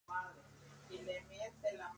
Herman revive es decir ahora tiene forma humana.